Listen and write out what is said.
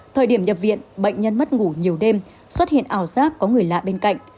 thời điểm nhập viện bệnh nhân mất ngủ nhiều đêm xuất hiện ảo giác có người lạ bên cạnh